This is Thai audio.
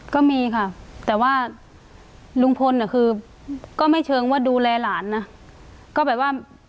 ก็มีค่ะแต่ว่าลุงพลน่ะคือก็ไม่เชิงว่าดูแลหลานนะก็แบบว่า